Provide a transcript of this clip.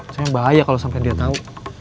soalnya bahaya kalo sampe dia tau